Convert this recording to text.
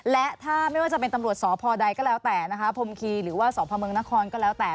และถ้าไม่ว่าจะเป็นตำรวจสพใดก็แล้วแต่นะคะพรมคีหรือว่าสพเมืองนครก็แล้วแต่